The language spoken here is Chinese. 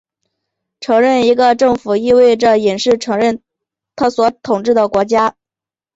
承认一个政府意味着隐式承认它所统治的国家。